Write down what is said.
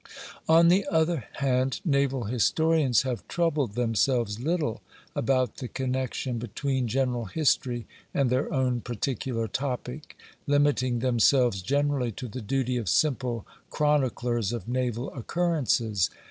On the other hand, naval historians have troubled themselves little about the connection between general history and their own particular topic, limiting themselves generally to the duty of simple chroniclers of naval occurrences.